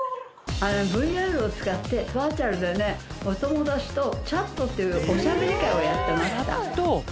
ＶＲを使ってバーチャルでねお友達とチャットっていうおしゃべり会をやってました。